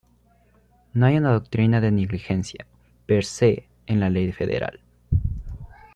No hay una doctrina de negligencia "per se" en la ley federal.